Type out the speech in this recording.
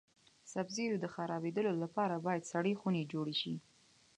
سبزیو د خرابیدو لپاره باید سړې خونې جوړې شي.